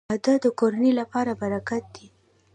• واده د کورنۍ لپاره برکت دی.